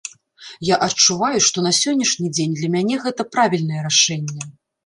Я адчуваю, што на сённяшні дзень для мяне гэта правільнае рашэнне.